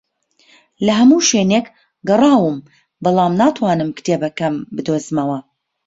لە هەموو شوێنێک گەڕاوم، بەڵام ناتوانم کتێبەکەم بدۆزمەوە